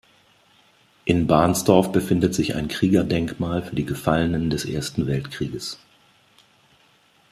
In Bahnsdorf befindet sich ein Kriegerdenkmal für die Gefallenen des Ersten Weltkrieges.